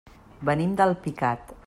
Venim d'Alpicat.